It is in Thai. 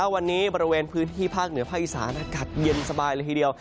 วันนี้บริเวณพื้นที่ภาคเหนือภาคอีสานอากาศเย็นสบายเลยทีเดียว